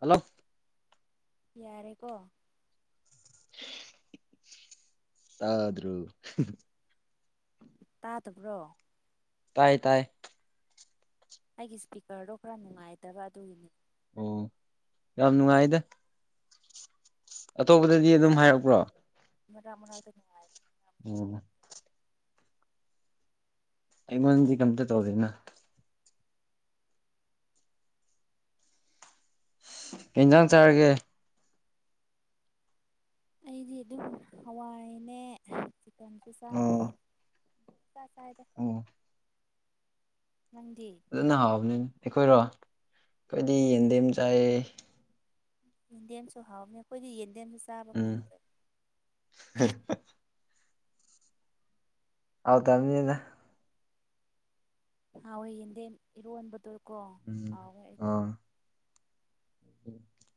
hello ꯌꯥꯔꯦꯀꯣ ꯇꯥꯗꯔꯣ [inaudible] ꯇꯥꯗꯕ꯭ꯔꯣ ꯇꯥꯏ ꯇꯥꯏ ꯑꯩꯒꯤ ꯏꯁꯄꯤꯀꯔꯗꯣ ꯈꯔ ꯅꯨꯡꯉꯥꯏꯇꯕ ꯑꯗꯨꯒꯤꯅꯤ ꯑꯣ ꯌꯥꯝ ꯌꯥꯝ ꯅꯨꯡꯉꯥꯏꯗ ꯑꯇꯣꯞꯄꯗꯗꯤ ꯑꯗꯨꯝ ꯍꯥꯏꯔꯛꯄ꯭ꯔꯣ ꯃꯗ ꯃꯣꯅꯥꯜꯗꯤ ꯉꯅꯨꯡꯉꯥꯏ ꯎꯝ ꯑꯩꯃꯣꯟꯗꯤ ꯀꯝꯇ ꯇꯧꯗꯅ ꯄꯤꯖꯥꯡ ꯆꯥꯔꯒ ꯑꯩꯗꯤ ꯑꯗꯨꯝ ꯍꯋꯥꯏꯅꯦ ꯆꯤꯛꯀꯟꯁꯨ ꯆꯥꯔꯦ ꯑꯣ ꯆꯁꯥꯏꯗ ꯑꯣ ꯑꯗꯨꯅ ꯍꯥꯎꯕꯅꯤꯅ ꯑꯩꯈꯣꯏꯔꯣ ꯑꯩꯈꯣꯏꯗꯤ ꯌꯦꯟꯗꯦꯝ ꯑꯃ ꯆꯥꯏ ꯌꯦꯟꯗꯦꯝꯁꯨ ꯍꯥꯎꯅꯤ ꯑꯩꯈꯣꯏꯗꯤ ꯌꯦꯟꯗꯦꯝꯁꯨ ꯆꯥꯕ ꯎꯝ ꯐꯪꯗ꯭ꯔꯦꯕ ꯑꯥꯎꯗꯅꯤꯅ ꯍꯥꯎ ꯍꯏ ꯌꯦꯟꯗꯦꯝ ꯏꯔꯣꯟꯕꯗꯀꯣ ꯎꯝ ꯍꯥꯎꯣꯏ ꯑꯩ ꯑꯥ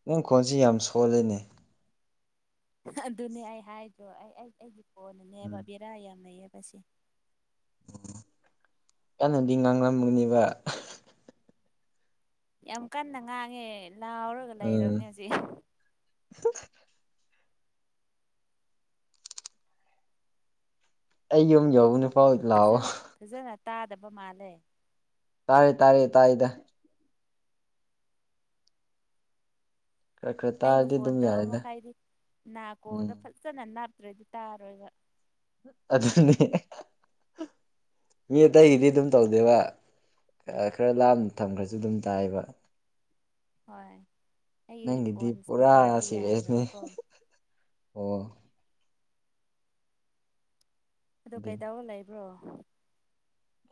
ꯅꯪ ꯈꯣꯟꯁꯤ ꯌꯥꯝ ꯁꯣꯜꯂꯤꯦꯅꯦ ꯑꯗꯨꯅꯦ ꯑꯩ ꯍꯥꯏꯗꯣ ꯑꯩ ꯑꯩ ꯑꯩꯒꯤ ꯎꯝ ꯀꯣꯟꯅꯅꯦꯕ ꯕꯦꯔꯥ ꯌꯥꯝꯅꯩꯌꯦꯕ ꯇꯁꯦ ꯀꯩꯅꯣꯗꯤ ꯉꯥꯡꯂꯝꯒꯨꯅꯦꯕ ꯌꯥꯝ ꯀꯟꯅ ꯉꯥꯡꯉꯦ ꯂꯥꯎꯔꯒ ꯎꯝ ꯂꯩꯔꯕꯅꯦ ꯍꯧꯖꯤꯛ [unintelligible] ꯑ ꯌ ꯑꯃ ꯌꯥꯎ ꯅ ꯐꯥꯎ ꯏꯗ ꯂꯑꯣ ꯐꯖꯅ ꯐꯖꯅ ꯇꯥꯗꯕ ꯃꯥꯜꯂꯦ ꯇꯥꯔꯦ ꯇꯥꯔꯦ ꯇꯥꯥꯏꯗ ꯈꯔ ꯈꯔ ꯑꯩꯕꯨ ꯇꯥꯔꯗꯤ ꯐꯣꯟ ꯑꯗꯨꯝ ꯇꯧꯔ ꯌꯥꯔꯦꯗ ꯃꯈꯥꯏꯗꯤ ꯎꯝ ꯅꯥꯀꯣꯡꯗ ꯐꯖꯅ ꯅꯥ ꯆꯠꯇ꯭ꯔꯗꯤ ꯇꯥꯔꯣꯏꯕ ꯑꯗꯨ ꯑꯗꯨꯁꯨꯅꯤ ꯃꯤ ꯑꯇꯩꯒꯤꯗꯤ ꯑꯗꯨꯝ ꯇꯧꯗꯦꯕ ꯈꯔ ꯂꯥꯞꯅ ꯊꯝꯈ꯭ꯔꯁꯨ ꯑꯗꯨꯝ ꯇꯥꯏꯕ ꯍꯣꯏ ꯑꯩꯒꯤ ꯅꯪꯒꯤꯤꯗꯤ ꯐꯣꯟ ꯄꯨꯥ ꯏꯁꯄꯤꯀꯔꯗꯣ ꯁꯤꯔꯤꯌꯁꯅꯤ ꯌꯥꯗ꯭ꯔꯕꯀꯣ ꯑꯣ ꯑꯗꯨ ꯑꯗꯨꯅꯤ ꯀꯩꯗꯧ ꯂꯩꯕ꯭ꯔꯣ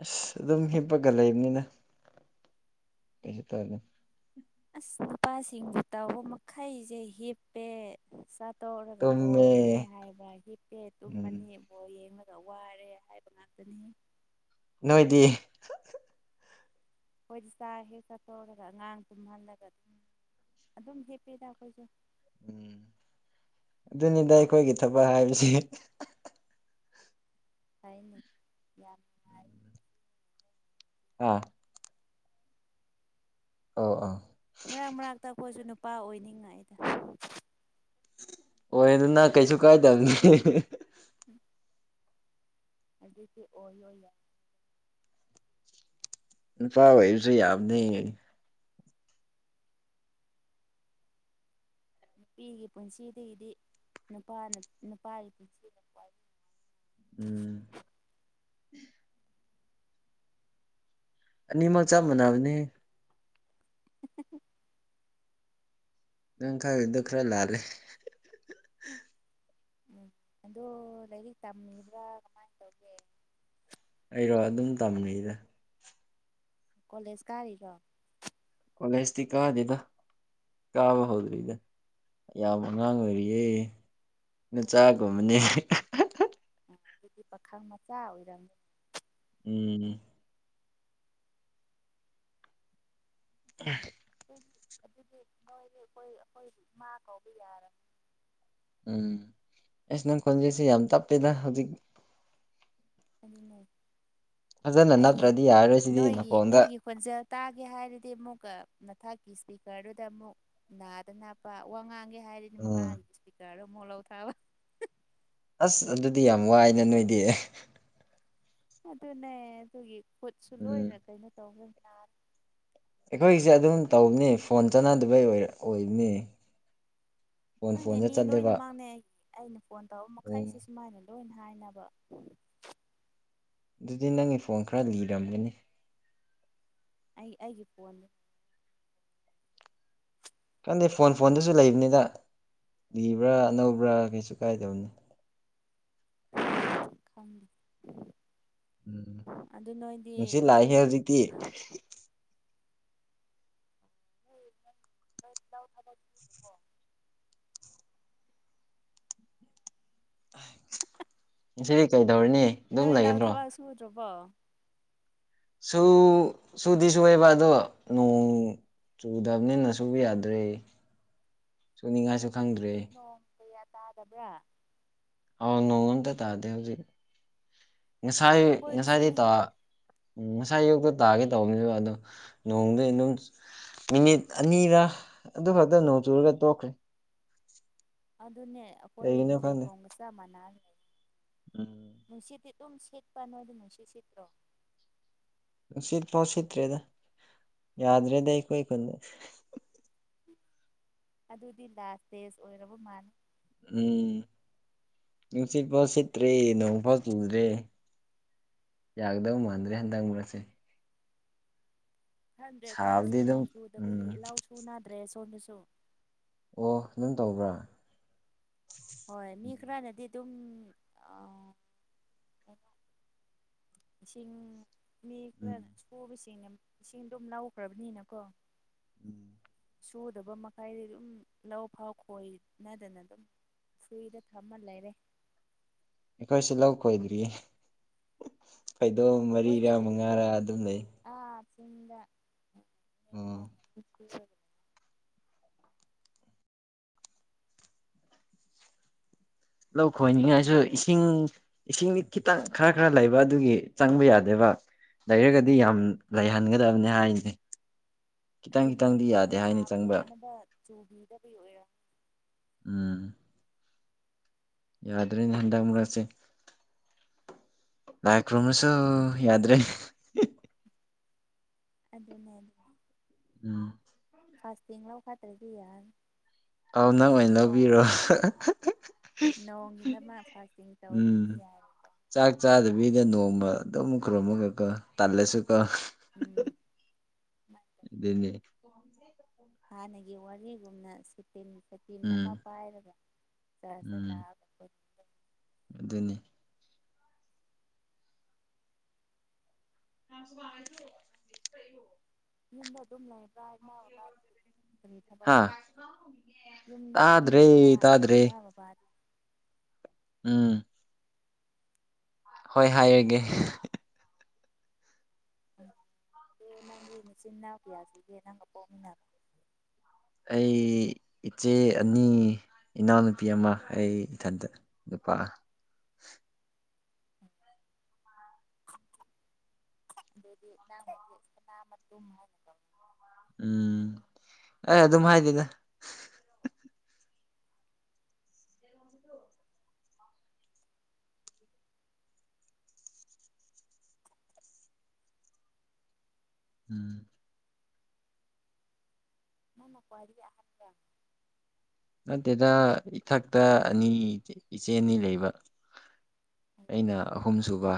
ꯑꯁ ꯑꯗꯨꯝ ꯍꯤꯞꯄꯒ ꯂꯩꯕꯅꯤꯅ ꯀꯩꯁꯨ ꯇꯧꯗ ꯑꯁ ꯅꯨꯄꯥꯁꯤꯡꯕꯨ ꯇꯥꯕ ꯃꯈꯩꯁꯦ ꯍꯤꯞꯄꯦ ꯇꯧꯔꯒ ꯇꯨꯝꯃꯦ ꯕꯣꯣꯔ ꯌꯦꯡꯉꯦ ꯍꯥꯏꯕ ꯍꯤꯞꯄꯦ ꯎꯝ ꯇꯨꯝꯃꯅꯤ ꯕꯣ ꯌꯦꯡꯕ ꯈ ꯋꯥꯔꯦ ꯍꯥꯏꯕ ꯉꯥꯛꯇꯅꯤ ꯅꯣꯏꯗꯤ ꯑꯩꯈꯣꯏꯗꯤ ꯆꯥꯛ ꯍꯦꯛ ꯆꯥꯊꯣꯛꯔꯒ ꯑꯉꯥꯡ ꯇꯨꯝꯍꯜꯂꯒ ꯑꯗꯨꯝ ꯑꯗꯨꯝ ꯍꯦꯞꯄꯦꯗ ꯑꯩꯈꯣꯏꯁꯨꯦ ꯎꯝ ꯑꯗꯨꯅꯤꯗ ꯑꯩꯈꯣꯏꯒꯤ ꯊꯕꯛ ꯍꯥꯏꯕꯁꯤ ꯇꯥꯏꯃꯤ ꯌꯥꯝꯥꯏ ꯑꯥ ꯑꯥꯎ ꯑꯥ ꯃꯔꯛ ꯃꯔꯥꯛꯛꯇꯛꯄꯁꯨ ꯅꯨꯄꯥ ꯑꯣꯏꯅꯤꯡꯉ ꯑꯩꯗ ꯑꯣꯏ ꯑꯗꯨꯅꯥ ꯀꯩꯁꯨ ꯀꯥꯏꯗ ꯑꯗꯨꯁ ꯑꯣꯏ ꯑꯣꯏꯅ ꯄꯏꯁꯨ ꯌꯥꯕ ꯅ ꯅꯨꯄꯤꯒꯤ ꯄꯨꯟꯁꯤꯗꯒꯤꯗꯤ ꯅꯨꯄꯥꯅ ꯅꯨꯄꯥꯒꯤ ꯄꯨꯟꯁꯤꯗ ꯄꯏ ꯎꯝ ꯑꯅꯤꯃꯛ ꯆꯞ ꯃꯥꯟꯅꯕꯅꯤ [unintelligible] ꯅꯪ ꯈꯥꯏ ꯗꯨ ꯈꯔ ꯂ ꯑꯂꯦ ꯎꯝ ꯑꯗꯣ ꯂꯥꯏꯔꯤꯛ ꯇꯝꯃꯤꯕ꯭ꯔꯥ ꯀꯃꯥꯏꯅ ꯇꯧꯒꯦ ꯑꯩꯔꯣ ꯑꯗꯨꯝ ꯇꯝꯃꯦꯗ ꯀꯣꯂꯦꯖ ꯀꯥꯔꯤꯒꯣ ꯍꯁꯇꯤ ꯀꯗꯗ ꯀꯥꯕ ꯍꯧꯗ꯭ꯔꯤꯗ ꯌꯥꯝꯌꯥꯝꯕ ꯑꯉꯥꯡ ꯑꯣꯏꯔꯤꯌꯦꯦ ꯑꯥ ꯃꯆꯥꯥꯛ ꯨꯨꯝꯅꯤ ꯑꯗꯒꯤ ꯄꯥꯈꯪ ꯃꯆꯥ ꯑꯣꯏꯔꯝꯃꯤ ꯎꯝ ꯑ ꯑꯩꯈꯣꯏꯗꯤ ꯑꯗꯨꯗꯤ ꯅꯣꯏꯗꯤ ꯑꯩꯈꯣꯏ ꯑꯩꯈꯣꯏ ꯏꯃꯥ ꯀꯧꯕ ꯌꯥꯔꯅꯤ ꯎꯝ ꯑꯦꯁꯅ ꯈꯣꯟꯖꯦꯁꯤ ꯌꯥꯝ ꯇꯞꯄꯦꯗ ꯍꯧꯖꯤꯛ ꯑꯗꯨ ꯐꯖꯅ ꯑꯩꯅ ꯅꯞꯇ꯭ꯔꯗꯤ ꯌꯥꯔꯔꯣꯏ ꯁꯤꯗꯤ ꯅꯣꯏꯒꯤ ꯅꯀꯣꯟꯗ ꯅꯣꯏꯒꯤ ꯈꯣꯟꯖꯦꯜ ꯇꯥꯒꯦ ꯍꯥꯏꯔꯗꯤ ꯑꯃꯨꯛꯀ ꯃꯊꯛꯀꯤ ꯏꯁꯄꯤꯀꯔꯗꯨꯗ ꯑꯃꯨꯛ ꯅꯥꯗꯅ ꯄ ꯋꯥ ꯉꯥꯡꯒꯦ ꯍꯥꯏꯔꯤꯅꯤ ꯃꯈꯥꯒꯤ ꯏꯁꯄꯤꯀꯔ ꯃꯣꯂꯧ ꯊꯕ ꯑꯁ ꯑꯗꯨꯗꯤ ꯌꯥꯝ ꯋꯥꯏꯅꯦ ꯅꯣꯏꯗꯤ ꯑꯦ ꯑꯗꯨꯅꯦ ꯑꯗꯨꯒꯤ ꯈꯨꯠꯁꯨ ꯎꯝ ꯂꯣꯏꯅ ꯀꯩꯅꯣ ꯇꯧꯒꯅꯤ ꯑꯩꯈꯣꯏꯁꯦ ꯑꯗꯨꯝ ꯇꯧꯅꯤ ꯐꯣꯟ ꯆꯥꯟꯅꯗꯕꯩ ꯑꯣꯏ ꯑꯣꯏꯕꯅꯤ ꯐꯣꯟ ꯈꯪꯗꯦ ꯐꯣꯟꯗ ꯃꯤ ꯆꯠꯂꯦꯕ ꯂꯣꯏꯅꯃꯛꯅꯦ ꯑꯩꯅ ꯐꯣꯟ ꯇꯧꯔ ꯑꯣ ꯃꯈꯩꯁꯦ ꯁꯨꯃꯥꯏꯅ ꯂꯣꯏ ꯍꯥꯏꯅꯕ ꯑꯗꯨꯗꯤ ꯅꯪꯒꯤ ꯐꯣꯟ ꯈꯔ ꯂꯤꯔꯝꯒꯅꯤ ꯑꯩ ꯑꯩꯒꯤ ꯄꯅꯤ ꯈꯪꯗꯦ ꯐꯣꯟ ꯐꯣꯟꯗꯨꯁꯨ ꯂꯩꯕꯅꯤꯗ ꯂꯤꯕ꯭ꯔꯥ ꯑꯅꯧꯕ꯭ꯔꯥ ꯀꯩꯁꯨ ꯀꯥꯏꯗꯕꯅꯤ ꯈꯪ ꯎꯝ ꯅꯨꯡꯁꯤꯠ ꯂꯥꯛꯏꯍꯦ ꯍꯧꯖꯤꯛꯇꯤ ꯎ ꯊꯣ ꯉꯗꯤ ꯀꯩꯗꯧꯔꯤꯅꯤ ꯑꯗꯨꯝ ꯂꯩꯒꯗ꯭ꯔꯣ ꯕ ꯁꯨ ꯁꯨꯗꯤꯁꯨꯨ ꯑꯣꯏꯕ ꯑꯗꯨꯣ ꯅꯣꯡ ꯆꯨꯗꯕꯅꯤꯅ ꯁꯨꯕ ꯌꯥꯗ꯭ꯔꯦ ꯁꯨꯅꯤꯡꯉꯥꯏꯁꯨ ꯈꯪꯗ꯭ꯔꯦ ꯑꯗꯨꯁꯨ ꯅꯣꯡ ꯀꯌꯥ ꯇꯥꯗꯕ꯭ꯔꯥ ꯑꯥꯎ ꯅꯣꯡ ꯑꯃꯇ ꯇꯥꯗꯦ ꯍꯧꯖꯤꯛ ꯉꯁꯥꯏ ꯉꯁꯥꯏꯗꯤ ꯑꯩꯈꯣꯏꯗꯁꯨꯅꯤ ꯇꯥ ꯎꯝ ꯉꯁꯥꯏ ꯌꯣꯛꯛꯇ ꯇꯥꯒꯦ ꯇꯧꯕꯅꯤꯅꯦꯕ ꯑꯗꯣ ꯅꯣꯡꯗꯤ ꯑꯗꯨꯝ ꯃꯤꯅꯤꯠ ꯑꯅꯤꯔꯥ ꯑꯗꯨ ꯈꯛꯇ ꯅꯣꯡ ꯆꯨꯔꯒ ꯇꯣꯛꯈ꯭ꯔꯦ ꯑꯗꯨꯅꯦ ꯀꯩꯒꯤꯅꯣ ꯑꯩꯈꯣꯏꯒꯤ ꯈꯪꯗꯦ ꯂꯩꯐꯝꯒ ꯆꯞ ꯃꯥꯟꯅꯦ ꯎꯝ ꯅꯨꯡꯁꯤꯠꯗꯤ ꯑꯗꯨꯝ ꯁꯤꯠꯄ ꯅꯣꯏꯗꯤ ꯅꯨꯡꯁꯤꯠ ꯁꯤꯠꯇ꯭ꯔꯣ ꯅꯨꯡꯁꯤꯠ ꯐꯥꯎ ꯁꯤꯠꯇ꯭ꯔꯦꯗ ꯌꯥꯗ꯭ꯔꯦꯗꯤ ꯑꯩꯈꯣꯏ ꯈꯨꯨꯟꯗ ꯑꯗꯨꯗꯤ ꯂꯥꯁ ꯗꯦꯖ ꯑꯣꯏꯔꯕ ꯃꯥꯜꯂꯦ ꯎꯝ ꯅꯨꯡꯁꯤꯠ ꯐꯥꯎ ꯁꯤꯠꯇ꯭ꯔꯦ ꯅꯣꯡꯐꯥ ꯆꯨꯗ꯭ꯔꯦ ꯌꯥꯒꯗꯧ ꯃꯥꯟꯗ꯭ꯔꯦ ꯍꯟꯗꯪ ꯃꯨꯔꯁꯦ ꯈꯟꯗ꯭ꯔꯦ ꯑꯩꯈꯣꯏꯗꯁꯨ ꯁꯥꯕꯗꯤ ꯑꯗꯨꯝ ꯅꯣꯡ ꯆꯨꯗꯕꯒꯤ ꯎꯝ ꯏꯂꯥꯎꯁꯨꯨ ꯅꯥꯗ꯭ꯔꯦ ꯁꯣꯝꯗꯁꯨ ꯑꯣ ꯑꯗꯨꯝ ꯇꯧꯕ꯭ꯔꯥ ꯍꯣꯏ ꯃꯤ ꯎꯝ ꯈꯔꯅꯗꯤ ꯑꯗꯨꯝ ꯁꯤꯡ ꯎꯝ ꯁꯣ ꯏꯁꯤꯡꯗꯣ ꯑꯗꯨꯝ ꯂꯥꯎꯈ꯭ꯔꯕꯅꯤꯅꯀꯣ ꯎꯝ ꯁꯨꯗꯕ ꯃꯈꯩꯗꯤ ꯑꯗꯨꯝ ꯂꯧ ꯐꯥꯎ ꯈꯣꯏꯅꯗꯅ ꯑꯗꯨꯝ ꯁꯨꯏꯗ ꯊꯝꯃꯜ ꯂꯩꯔꯦ ꯑꯩꯈꯣꯏꯁꯨ ꯂꯧ ꯈꯣꯏꯗ꯭ꯔꯤ ꯈꯩꯗꯣꯝ ꯃꯔꯤꯔꯥ ꯑꯩꯈꯣꯏꯗꯤ ꯃꯉꯥꯔꯥ ꯑꯗꯨꯝ ꯂꯩ ꯑꯣ ꯆꯣ ꯂꯧ ꯈꯣꯏꯅꯤꯡꯉꯥꯏꯁꯨ ꯏꯁꯤꯡ ꯏꯁꯤꯡꯗꯤ ꯈꯤꯇꯪ ꯈꯔ ꯈꯔ ꯂꯩꯕ ꯑꯗꯨꯒꯤ ꯆꯪꯕ ꯌꯥꯗꯦꯕ ꯂꯩꯔꯒꯗꯤ ꯌꯥꯝ ꯂꯩꯍꯟꯒꯗꯕꯅꯤ ꯍꯥꯏꯅꯤ ꯈꯤꯇꯪ ꯑꯗꯨ ꯈꯤꯇꯪꯗꯤ ꯅꯗ ꯌꯥꯗꯦ ꯍꯥꯏꯅ ꯊꯥꯕ ꯆꯪꯕ ꯌꯥꯅꯅꯕ ꯆꯨꯕꯤꯗꯕ ꯑꯣꯏꯔ ꯎꯝ ꯌꯥꯗ꯭ꯔꯦꯅꯦ ꯍꯟꯗꯛ ꯃꯨꯔꯛꯁꯦ ꯏꯛ ꯔꯣꯃꯁꯨꯣ ꯌꯥꯗ꯭ꯔꯦ ꯑꯗꯨꯅ ꯑꯗꯨ ꯎꯝ ꯐꯥꯁꯇꯤꯡꯂꯥꯎ ꯐꯗ꯭ꯔꯦꯒꯌꯥ ꯑꯥꯎ ꯅꯪ ꯑꯣꯏꯅ ꯂꯧꯕꯤꯔꯣ ꯅꯣꯡꯒꯤ ꯅꯃꯛ ꯐꯥꯁꯇꯤꯡ ꯇꯧꯕꯗꯨꯗꯤ ꯎꯝ ꯌꯥꯔꯣꯏꯗ ꯑꯗꯨꯃꯨꯈ꯭ꯔꯣꯃꯨ ꯀꯀ ꯇꯜꯂꯦꯁꯨ ꯀ ꯎꯝ ꯑꯗꯨꯅꯦ ꯍꯥꯟꯅꯒꯤ ꯋꯥꯔꯤꯒꯨꯝꯅ ꯁꯤꯠ ꯇꯤꯟ ꯇꯤꯟ ꯑꯃ ꯎꯝ ꯄꯥꯏꯔꯒ ꯆ ꯎꯝ ꯂꯥꯛꯑꯒꯈ ꯑꯗꯨꯅꯤ ꯊꯝꯁꯨꯃ ꯌꯨꯝꯗ ꯑꯗꯨꯝ ꯂꯩꯕ꯭ꯔꯥ ꯏꯃꯥ ꯕꯕꯥ ꯀꯔꯤ ꯍꯥ ꯊꯕꯛꯁꯨ ꯌꯨꯝꯗ ꯑꯗꯨꯝ ꯇꯥꯗ꯭ꯔꯦ ꯂꯩꯕ ꯏꯃꯥ ꯇꯥꯗ꯭ꯔꯦ ꯕꯕꯥꯗꯤ ꯎꯝ ꯍꯣꯏ ꯍꯥꯏꯌꯒꯦ ꯎꯝ ꯑꯗꯨꯗ ꯅꯪꯒꯤ ꯃꯆꯤꯟ ꯏꯅꯥꯎ ꯀꯌꯥꯁꯤꯒ ꯅꯪꯒ ꯄꯣꯛꯃꯤꯟꯅꯕ ꯑꯩ ꯏꯆꯦ ꯑꯅꯤ ꯏꯅꯥꯎꯅꯨꯄꯤ ꯑꯃ ꯑꯩ ꯏꯊꯟꯇ ꯄꯥ ꯗꯤꯦ ꯎꯝ ꯑꯩ ꯑꯗꯨꯝ ꯍꯥꯏꯗꯤꯦꯗ ꯎꯝ ꯃ ꯃ ꯄꯣꯏꯔꯤ ꯍꯥꯞꯇ ꯗꯗ ꯏꯊꯛꯇ ꯑꯅꯤ ꯏꯆꯦ ꯑꯅꯤ ꯂꯩꯕ ꯑꯩꯅ ꯑꯍꯨꯝ ꯁꯨꯕ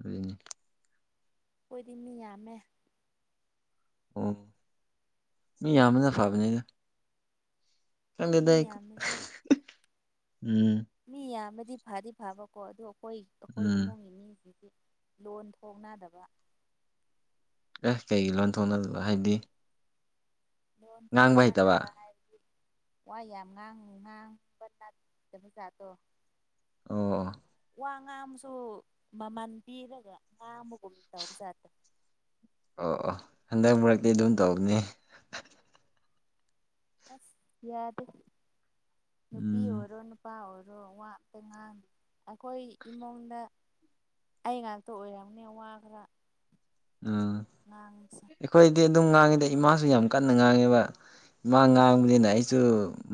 ꯑꯗꯨꯅꯤ ꯑꯣꯏꯈꯣꯏꯗꯤ ꯃꯤ ꯌꯥꯝꯃꯦ ꯑꯣ ꯃꯤ ꯌꯥꯝꯕꯅ ꯐꯕꯅꯦꯗ ꯃꯤ ꯀꯗꯗ ꯍꯥꯏꯣ ꯌꯥꯝꯕꯁꯦ ꯎꯝ ꯃꯤ ꯌꯥꯝꯕꯗꯤ ꯐꯗꯤ ꯐꯥꯕꯀꯣ ꯑꯗꯨ ꯑꯩꯈꯣꯏ ꯑꯩꯈꯣꯏ ꯎꯝ ꯏꯃꯨꯡꯒꯤ ꯃꯤ ꯑꯗꯒꯤ ꯂꯣꯟ ꯊꯣꯡꯅꯗꯕ ꯑꯦꯁ ꯀꯩꯒꯤ ꯂꯣꯟꯊꯣꯛꯅꯗꯕ ꯍꯥꯏꯗꯤ ꯂꯣꯟ ꯉꯥꯡꯕ ꯆ ꯍꯩꯇꯕ ꯗꯕꯥ ꯍꯥꯏ ꯍꯥꯏ ꯋꯥ ꯌꯥꯝ ꯉꯥꯡ ꯉꯥꯡꯕ ꯠꯇꯕꯖꯥꯗꯣ ꯑꯣ ꯋꯥ ꯉꯥ ꯑꯃꯁꯨ ꯃꯃꯜ ꯄꯤꯔꯒ ꯉꯥ ꯑꯃꯒꯨꯝ ꯇꯧꯖꯥꯗ꯭ꯔ ꯑꯣ ꯑꯣ ꯍꯟꯗꯛ ꯃꯔꯛꯇꯤ ꯑꯗꯨꯝ ꯇꯧꯕꯅꯤ ꯑꯁ ꯌꯥꯗ ꯅꯨꯄꯤ ꯎꯝ ꯑꯣꯏꯔꯣ ꯅꯨꯄꯥꯔ ꯑꯣ ꯋꯥꯄꯉꯥꯡ ꯑꯩꯈꯣꯏ ꯏꯃꯨꯡꯗ ꯑꯩ ꯉꯥꯛꯇ ꯑꯣꯏꯔꯝꯅꯦ ꯋꯥ ꯈꯔ ꯎꯝ ꯉꯥꯡꯕꯁꯦ ꯑꯩꯈꯣꯏꯗꯤ ꯑꯗꯨꯝ ꯉꯥꯡꯉꯤꯗ ꯏꯃꯥꯁꯨ ꯌꯥꯝ ꯀꯟꯅ ꯉꯥꯡꯉꯦꯕ ꯏꯃ ꯉꯥꯡꯕꯅꯤꯅ ꯑꯩꯁꯨ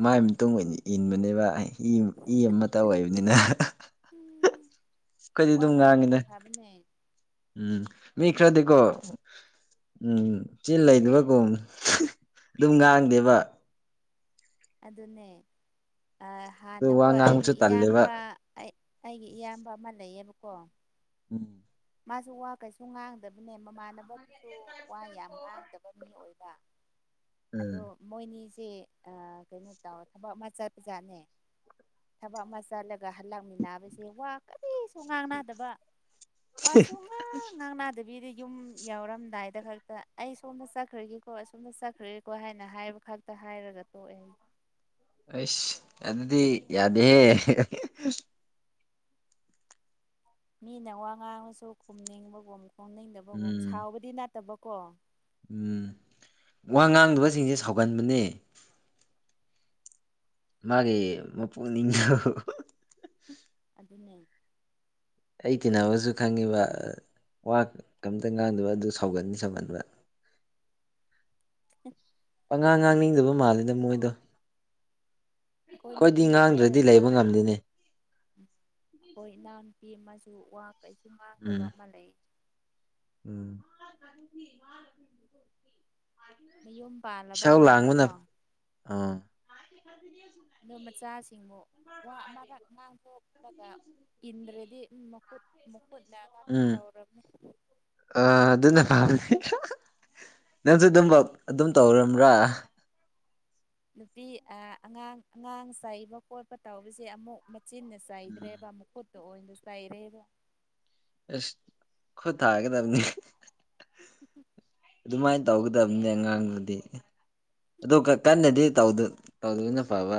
ꯃꯥꯏ ꯃꯇꯨꯡ ꯑꯣꯏꯅ ꯏꯟꯕꯅꯦꯕ ꯑꯩ ꯏ ꯑꯃ ꯇ ꯑꯣꯏꯕꯅꯤꯅ ꯑꯩꯈꯣꯏꯗꯤ ꯋꯥ ꯑꯗꯨꯝ ꯉꯥꯡ ꯑꯃꯅ ꯉꯥꯡꯉꯤꯗ ꯐꯕꯅꯦ ꯎꯝ ꯃꯤ ꯏ ꯈꯥ ꯗꯣ ꯎꯝ ꯆꯤꯟ ꯂꯩꯗꯕꯒꯨꯝ ꯑꯗꯨꯝ ꯉꯥꯡꯗꯦꯕ ꯑꯗꯨꯅꯦ ꯑꯗꯨ ꯋꯥ ꯍꯥꯟꯅꯀꯣ ꯑꯩꯒꯤ ꯉꯥꯡꯕꯁꯨ ꯇꯜꯂꯦꯕ ꯏꯌꯥꯝꯕ ꯑꯩ ꯑꯩꯒꯤ ꯏꯌꯥꯝꯕ ꯑꯃ ꯂꯩꯌꯦꯕꯀꯣ ꯎꯝ ꯃꯥꯁꯨ ꯋꯥ ꯀꯩꯁꯨ ꯉꯥꯡꯗꯕꯅꯦ ꯃꯃꯥꯟꯅꯕꯗꯨꯁꯨ ꯋꯥ ꯌꯥꯝ ꯉꯥꯡꯗꯕ ꯃꯤ ꯑꯣꯏꯕ ꯑꯗꯣ ꯃꯣꯏꯅꯤꯁꯦ ꯀꯩꯅꯣ ꯇꯧ ꯊꯕꯛ ꯑꯃ ꯆꯠꯄꯖꯥꯠꯅꯦ ꯊꯕꯥꯛ ꯃꯁꯜꯂꯒ ꯍꯜꯂꯛꯃꯤꯟꯅꯕꯁꯦ ꯋꯥ ꯀꯁꯨ ꯉꯥꯡ ꯅꯥꯗꯕ ꯋꯥꯁꯨ ꯉꯥꯡ ꯉꯥꯡꯗꯕ ꯕꯤꯗꯤ ꯌꯨꯝ ꯌꯥꯎꯔꯝꯗꯥꯏꯗ ꯈꯛꯇ ꯑꯩ ꯁꯣꯝꯗ ꯆꯠꯈ꯭ꯔꯒꯦꯀꯣ ꯑꯁꯣꯝꯗ ꯆꯠꯈ꯭ꯔꯒꯦꯀꯣ ꯍꯥꯏꯅ ꯍꯥꯏꯕ ꯈꯛꯇ ꯍꯥꯏꯔꯒ ꯇꯣꯛꯑꯦ ꯑꯁ ꯑꯗꯨꯗꯤ ꯌꯥꯗꯦ ꯃꯤꯅ ꯋꯥ ꯉꯥꯡꯉꯁꯨ ꯈꯨꯝꯅꯤꯡꯕꯒꯨꯝ ꯈꯣꯡꯅꯤꯡꯗꯕꯒꯨꯝ ꯎꯝ ꯁꯥꯎꯕꯗꯤ ꯅꯠꯇꯕꯀꯣ ꯎꯝ ꯋꯥ ꯉꯥꯡꯗꯕꯁꯤꯡꯁꯦ ꯁꯥꯎꯒꯟꯕꯅꯦ ꯃꯥꯒꯤ ꯃꯄꯨ ꯅꯤꯡꯊꯧ ꯅ ꯑꯩ ꯇꯤꯟꯅꯕꯁꯨ ꯈꯪꯉꯤꯕ ꯋꯥ ꯀꯝꯇ ꯉꯥꯡꯗꯕ ꯑꯗꯨ ꯁꯥꯎꯒꯅꯤ ꯁꯝꯍꯟꯕ ꯎ ꯄꯉꯥꯡ ꯉꯥꯡꯅꯤꯡꯗꯕ ꯃꯥꯜꯂꯤꯗ ꯃꯣꯏꯗꯣ ꯑꯩꯈꯣꯏ ꯑꯩꯈꯣꯏꯗꯤ ꯅꯨꯄꯤ ꯑꯩꯈꯣꯏ ꯉꯥꯡꯗ꯭ꯔꯗꯤ ꯂꯩꯕ ꯑꯉꯥꯡ ꯉꯝꯗꯦꯅꯦ ꯑꯩꯈꯣꯏ ꯏꯅꯥꯎꯅꯨꯄꯤ ꯑꯃ ꯑꯗꯨ ꯋꯥ ꯀꯩꯁꯨ ꯉꯥꯡꯗꯕ ꯑꯃ ꯂꯩ ꯎꯝ ꯃꯌꯨꯝ ꯄꯥꯜꯂꯕ ꯏꯁꯧ ꯃꯥꯅꯀꯣ ꯂꯥꯡꯕꯅ ꯑꯥ ꯑꯗꯨ ꯃꯆꯥꯁꯤꯡꯕꯨ ꯋꯥ ꯃꯔꯛ ꯉꯥꯡꯊꯣꯛꯂꯒ ꯏꯟꯗꯤ ꯎꯝ ꯑ ꯑꯗꯨ ꯑꯗꯨꯅ ꯐ ꯅꯪꯁꯨ ꯑꯗꯨꯝ ꯑꯗꯨꯝ ꯇꯧꯔꯕ꯭ꯔꯥ ꯅꯨꯄꯤ ꯑꯉꯥꯡ ꯑꯉꯥꯡ ꯆꯩꯕ ꯈꯣꯠꯄ ꯇꯧꯕꯁꯦ ꯑꯃꯨꯛ ꯆꯤꯟꯅ ꯎꯝ ꯆꯥꯏꯗ꯭ꯔꯦꯕ ꯃꯈꯨꯠꯇ ꯑꯣꯏꯅ ꯆꯥꯏꯔꯦꯕ ꯑꯁ ꯈꯨꯠ ꯊꯥꯒꯗꯕꯅꯤ ꯎꯝꯝ ꯑꯗꯨꯃꯥꯏꯅ ꯇꯧꯒꯗꯕꯅꯦ ꯑꯉꯥꯡꯗꯨꯗꯤ ꯑꯗꯨ ꯀꯟꯅꯗꯤ ꯇꯧꯗꯣꯏꯅ ꯐꯕ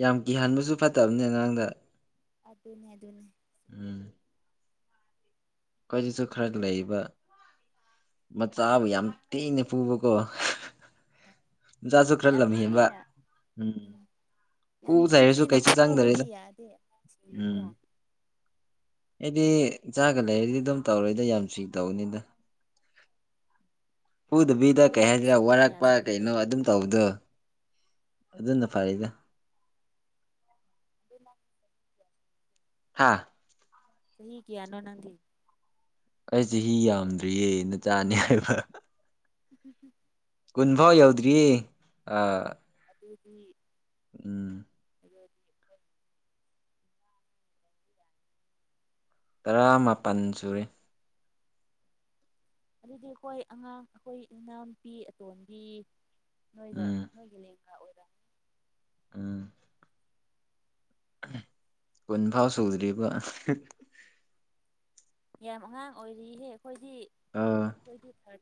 ꯌꯥꯝ ꯀꯤꯍꯟꯕꯁꯨ ꯐꯠꯇꯕꯅꯦ ꯑꯉꯥꯡꯗ ꯑꯗꯨꯅꯦ ꯑꯗꯨꯅꯦ ꯎꯝ ꯑꯩꯈꯣꯏꯖꯤꯁꯨ ꯈꯔ ꯂꯩꯕ ꯃꯆꯥꯕꯨ ꯌꯥꯝ ꯍꯣꯏ ꯊꯤꯅ ꯄꯨꯕꯀꯣ ꯍꯣꯏ ꯆꯥꯖ ꯌꯥꯝ ꯈ꯭ꯔꯂꯝꯍꯕ ꯊꯤꯅ ꯎꯝ ꯌꯥꯝ ꯊꯤ ꯄꯨꯊꯔꯁꯨ ꯊꯤꯅ ꯀꯩꯁꯨ ꯆꯪꯗꯔꯦꯗ ꯐꯨꯕꯗꯤ ꯌꯥꯗꯦ ꯑꯉꯥꯡꯁꯤꯡꯕꯨꯀꯣ ꯎꯝ ꯑꯩꯗꯤ ꯆꯥꯒ ꯂꯩꯔꯗꯤ ꯑꯗꯨꯝ ꯇꯧꯔꯣꯏꯗ ꯌꯥꯝ ꯆꯤ ꯇꯧꯕꯅꯤꯗ ꯄꯨꯗꯕꯤꯗ ꯑꯗꯨ ꯀꯩ ꯅꯪꯗꯤ ꯍꯥꯏꯁꯤꯔꯥ ꯆꯍꯤ ꯀꯌꯥ ꯋꯥꯔꯛꯄ ꯁꯨꯔꯒꯦ ꯀꯩꯅꯣ ꯑꯗꯨꯝ ꯇꯧꯕꯗꯣ ꯑꯗꯨꯅ ꯐꯔꯤꯗ ꯑꯗꯨ ꯍꯥꯥ ꯁꯍꯤ ꯀꯌꯥꯅꯣ ꯅꯗꯤ ꯑꯩ ꯆꯍꯤ ꯌꯥꯝꯗ꯭ꯔꯤꯌꯦ ꯅ ꯆꯥꯅꯤ ꯍꯥꯏꯕ ꯎꯝ ꯀꯨꯟꯐꯥꯎ ꯌꯧꯗ꯭ꯔꯤꯌꯦ ꯗꯤ ꯎꯝ [unintelligible] ꯇꯔꯥꯃꯥꯄꯜ ꯁꯨꯔꯦ ꯑꯗꯨꯗꯤ ꯑꯩꯈꯣꯏ ꯑꯉꯥꯡ ꯑꯩꯈꯣꯏ ꯏꯅꯥꯎ ꯅꯨꯨꯄꯤ ꯑꯇꯣꯟꯕꯤ ꯅꯣꯏꯒ ꯎꯝ ꯅꯣꯏꯒꯦꯅꯤ ꯎꯝ ꯀꯨꯟ ꯐꯥꯎ ꯁꯨꯗ꯭ꯔꯤꯕ ꯌꯥꯝ ꯑꯉꯥꯡ ꯑꯣꯏꯔꯤꯍꯦ ꯑꯩꯈꯣꯏꯗꯤ ꯑꯥ ꯑꯩꯈꯣꯏꯗꯤ ꯊꯔ